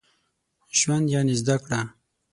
ژوند يعني زده کړه.